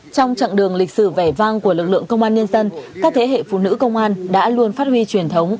trong chặng đường lịch sử vẻ vang của lực lượng công an nhân dân các thế hệ phụ nữ công an đã luôn phát huy truyền thống